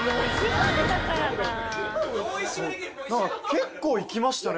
結構いきましたね。